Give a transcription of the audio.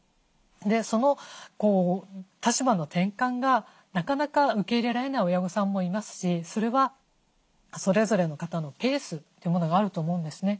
その立場の転換がなかなか受け入れられない親御さんもいますしそれはそれぞれの方のペースというものがあると思うんですね。